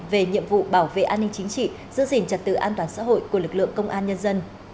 về nhiệm vụ bảo vệ an ninh chính trị giữ gìn trật tự an toàn xã hội của lực lượng công an nhân dân